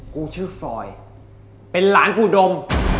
กูชื่อฟอยเป็นหลานกูดม